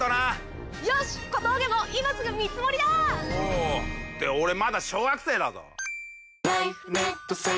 って俺まだ小学生だぞ！